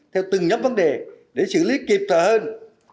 theo từng nhóm vấn đề để xử lý kịp trở hơn